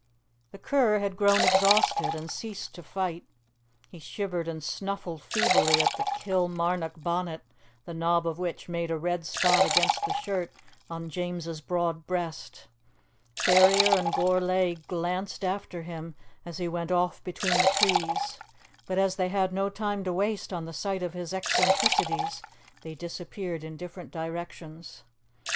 The cur had grown exhausted, and ceased to fight; he shivered and snuffled feebly at the Kilmarnock bonnet, the knob of which made a red spot against the shirt on James's broad breast. Ferrier and Gourlay glanced after him as he went off between the trees. But as they had no time to waste on the sight of his eccentricities, they disappeared in different directions.